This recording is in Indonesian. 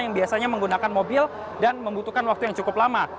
yang biasanya menggunakan mobil dan membutuhkan waktu yang cukup lama